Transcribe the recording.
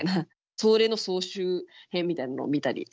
それの総集編みたいなのを見たりします。